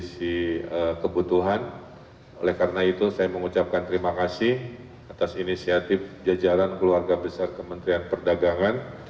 saya mengucapkan terima kasih atas inisiatif jajaran keluarga besar kementerian perdagangan